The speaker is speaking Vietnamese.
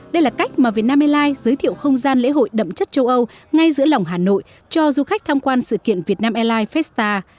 đây là cách mà việt nam airlines giới thiệu không gian lễ hội đậm chất châu âu ngay giữa lòng hà nội cho du khách tham quan sự kiện việt nam airlines festa